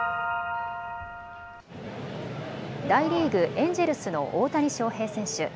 大リーグ・エンジェルスの大谷翔平選手。